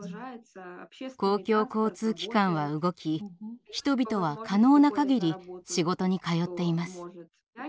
公共交通機関は動き人々は可能なかぎり仕事に通っています。